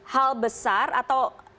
hal besar atau